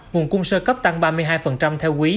nguồn cung sơ cấp tăng ba mươi hai theo quý